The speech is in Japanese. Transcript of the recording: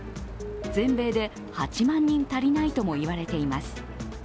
全米で８万人足りないともいわれています。